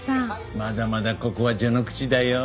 まだまだここは序の口だよ！